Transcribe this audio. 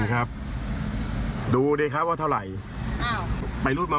ไปดูคลิปกัน